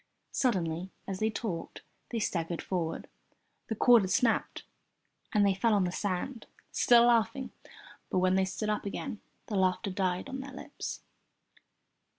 Suddenly, as they talked, they staggered forward. The cord had snapped and they fell on the sand, still laughing, but when they stood up again the laughter died on their lips.